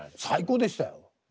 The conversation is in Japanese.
最高でしたよ。